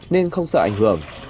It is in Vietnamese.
nên không sợ ảnh hưởng